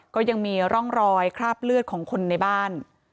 ก็ยังมีร่องรอยคราบเลือดของคนในบ้าน